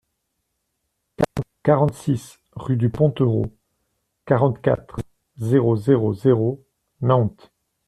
quarante-six rue du Pontereau, quarante-quatre, zéro zéro zéro, Nantes